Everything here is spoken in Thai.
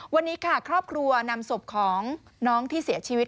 วันนี้ค่ะครอบครัวนำศพของน้องที่เสียชีวิต